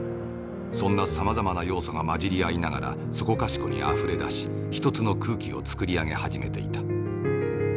そんなさまざまな要素が混じり合いながらそこかしこにあふれ出し一つの空気をつくり上げ始めていた。